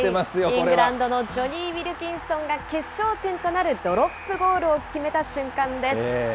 イングランドのジョニー・ウィルキンソンが決勝点となるドロップゴールを決めた瞬間です。